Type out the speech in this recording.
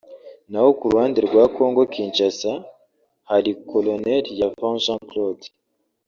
naho ku ruhande rwa Congo Kinshasa hari ColYav Jean Claude